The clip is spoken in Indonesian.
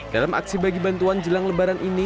dalam aksi bagi bantuan jelang lebaran ini